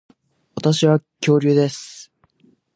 私は恐竜です